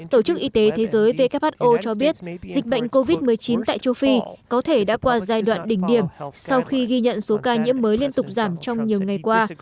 tổ chức y tế thế giới who cho biết dịch bệnh covid một mươi chín tại châu phi có thể đã qua giai đoạn đỉnh điểm sau khi ghi nhận số ca nhiễm mới liên tục giảm trong nhiều ngày qua